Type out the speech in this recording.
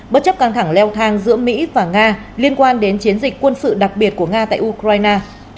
bất chấp căng thẳng leo thang giữa mỹ và nga liên quan đến chiến dịch quân sự đặc biệt của nga tại ukraine